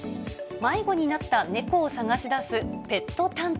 迷子になった猫を捜し出すペット探偵。